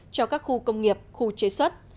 cho các khu công nghiệp khu chế xuất